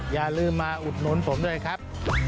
อย่าลืมมาอุดหนุนผมด้วยครับ